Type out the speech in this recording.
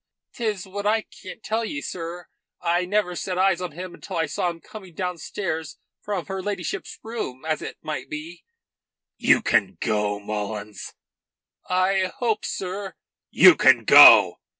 "'Tis what I can't tell ye, sir. I never set eyes on him until I saw him coming downstairs from her ladyship's room as it might be." "You can go, Mullins." "I hope, sir " "You can go."